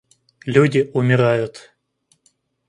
Люди умирают.